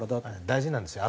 大事なんですよ